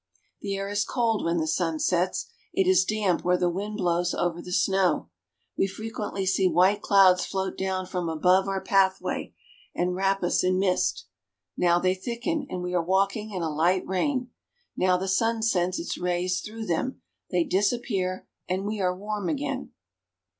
The air is cold when the sun sets. It is damp where the wind blows over the snow. We frequently see white clouds float down from above over our pathway and wrap us in mist. Now they thicken, and we are walking in a light rain ; now the sun sends his rays through them, they disappear, and we are warm again.